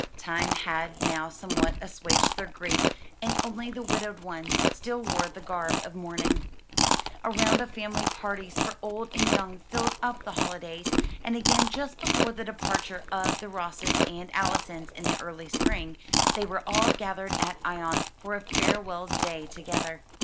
Time had now somewhat assuaged their grief, and only the widowed ones still wore the garb of mourning. A round of family parties for old and young filled up the holidays; and again just before the departure of the Rosses and Allisons in the early spring, they were all gathered at Ion for a farewell day together.